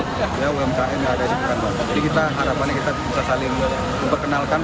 umkm yang ada di pekanbaru jadi kita harapannya kita bisa saling memperkenalkan